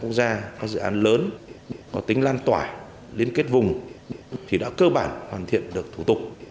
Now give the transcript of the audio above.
các dự án quốc gia các dự án lớn có tính lan tỏa liên kết vùng thì đã cơ bản hoàn thiện được thủ tục